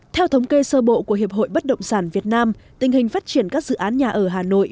theo thống kê sơ bộ của hiệp hội bất động sản việt nam tình hình phát triển các dự án nhà ở hà nội